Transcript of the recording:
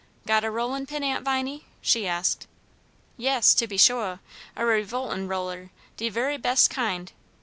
"Got a rollin' pin, Aunt Viney?" she asked. "Yes, to be shuah, a revoltin' roller, de very bes' kind.